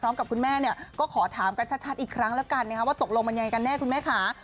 คุณแม่เนี่ยก็ขอถามกันชัดอีกครั้งแล้วกันนะครับว่าตกลงมันยังไงกันแน่คุณแม่ค่ะ